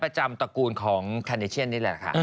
ประจำตระกูลของแคนนิชเชียนนี่แหละค่ะ